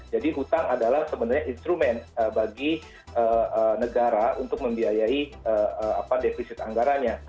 jadi utang adalah sebenarnya instrumen bagi negara untuk membiayai defisit anggaranya